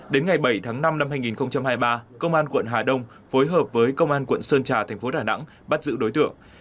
đến ngày bảy tháng năm năm hai nghìn hai mươi ba công an quận hà đông phối hợp với công an quận sơn trà thành phố đà nẵng bắt giữ đối tượng